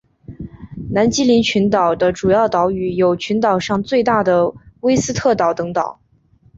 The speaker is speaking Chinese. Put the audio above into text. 南基林群岛的主要岛屿有群岛上最大的威斯特岛等岛。